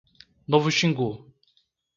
Novo Xingu